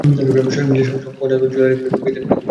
নিজের পছন্দমতো জুয়েলারি কিনলে, বিয়ের দিনে খুশিতে থাকতে পারবে।